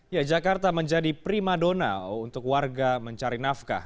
ya jakarta menjadi prima dona untuk warga mencari nafkah